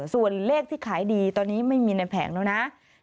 ส่วนเลขที่ขายดีตอนนี้ไม่มีในแผงแล้วนะ